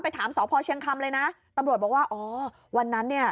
ถามสพเชียงคำเลยนะตำรวจบอกว่าอ๋อวันนั้นเนี่ย